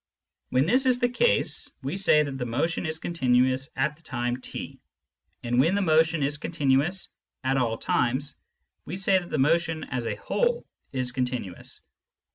When this is the case, we say that the motion is continuous at the time /; and when the motion is continuous at all times, we say that the motion as a whole is continuous.